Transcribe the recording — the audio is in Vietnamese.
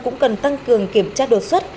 cũng cần tăng cường kiểm tra đột xuất